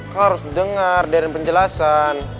kau harus dengar dari penjelasan